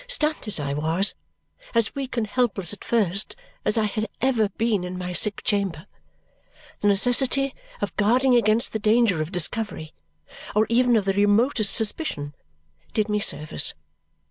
Stunned as I was, as weak and helpless at first as I had ever been in my sick chamber, the necessity of guarding against the danger of discovery, or even of the remotest suspicion, did me service.